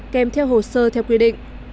kèm theo hồ sơ theo quy định